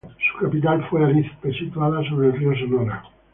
Su capital fue Arizpe, situada sobre el río Sonora.